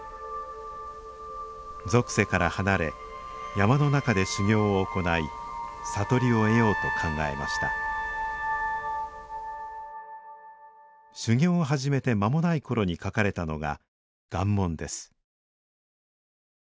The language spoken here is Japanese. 俗世から離れ山の中で修行を行い悟りを得ようと考えました修行を始めて間もない頃に書かれたのが「願文」です